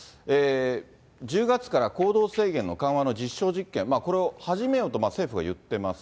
１０月から行動制限の緩和の実証実験、これを始めようと政府が言ってます。